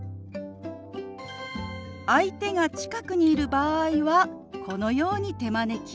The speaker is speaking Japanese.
相手が近くにいる場合はこのように手招き。